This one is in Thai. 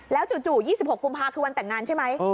แล้วจู่๒๖กุมภาคคือวันแต่งงานใช่ไหม